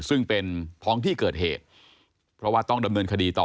ซึ่งเป็นท้องที่เกิดเหตุเพราะว่าต้องดำเนินคดีต่อ